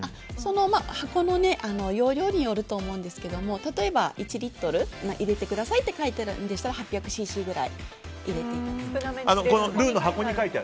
箱の容量によると思うんですけども例えば、１リットル入れてと書いてあるんでしたら８００ｃｃぐらい入れていただいて。